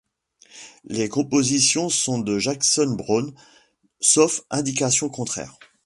Les compositions sont de Jackson Browne, sauf indication contraire.